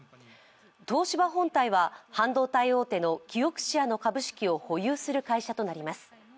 東芝本体は半導体大手のキオクシアの株式を保有する会社となります。